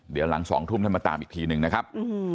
เดี๋ยวหลัง๒ทุ่มท่านมาตามอีกทีหนึ่งนะครับ